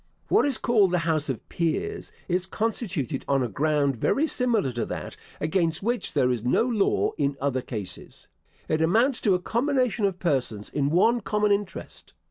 What is called the House of Peers, is constituted on a ground very similar to that, against which there is no law in other cases. It amounts to a combination of persons in one common interest.